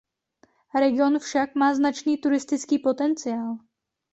Region však má značný turistický potenciál.